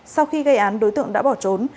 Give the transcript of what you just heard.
sau khi gây án đối tượng đã bỏ trốn